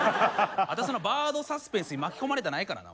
あたしもバードサスペンスに巻き込まれたないからな。